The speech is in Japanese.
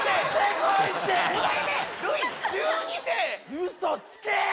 うそつけや！